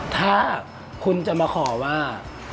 ถ้าคุณจะมาขอว่า